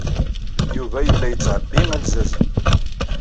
Yuba yella yettɛebbi alzazen.